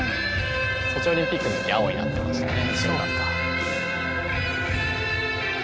ソチオリンピックのとき青になってましたね。